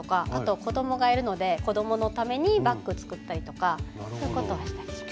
子どもがいるので子どものためにバッグ作ったりとかそういうことはしたりします。